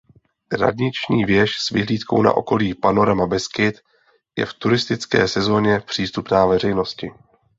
Radniční věž s vyhlídkou na okolní panorama Beskyd je v turistické sezóně přístupná veřejnosti.